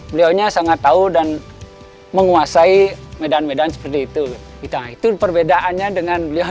beliaunya sangat tahu dan menguasai medan medan seperti itu itu perbedaannya dengan beliau